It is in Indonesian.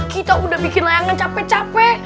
kita udah bikin layangan cape cape